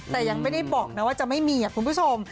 แต่ยังไม่ได้บอกนะว่าจะไม่มีคุณผู้ชม